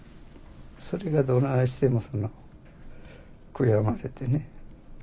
それがどないしても悔やまれてね。